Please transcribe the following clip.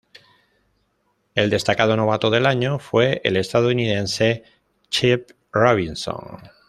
El destacado Novato del Año fue el estadounidense Chip Robinson.